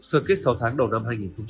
sơ kết sáu tháng đầu năm hai nghìn hai mươi